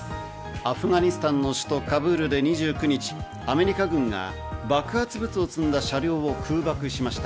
アフガニスタンの首都・カブールで２９日、アメリカ軍が爆発物を積んだ車両を空爆しました。